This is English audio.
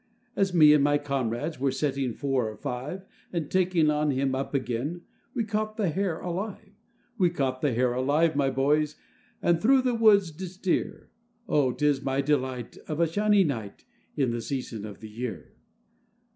As me and my comrades were setting four or five, And taking on him up again, we caught the hare alive; We caught the hare alive, my boys, and through the woods did steer:— Oh! 'tis my delight of a shiny night, in the season of the year.